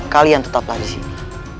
kalian tetap lagi sini